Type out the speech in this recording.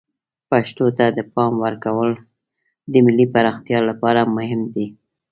پښتو ته د پام ورکول د ملی پراختیا لپاره مهم دی.